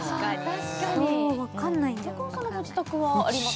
確かに中尾さんのご自宅はありますか？